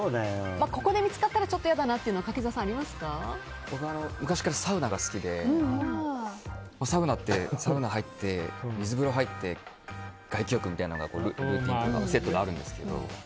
ここで見つかったらちょっと嫌だなというのは僕、昔からサウナが好きでサウナってサウナ入って水風呂入って外気浴みたいなのがセットであるんですけど。